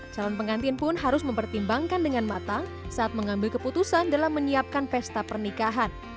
calon pengantin pun harus mempertimbangkan dengan matang saat mengambil keputusan dalam menyiapkan pesta pernikahan